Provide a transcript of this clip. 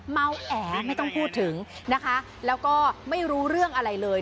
เมาแอไม่ต้องพูดถึงนะคะแล้วก็ไม่รู้เรื่องอะไรเลย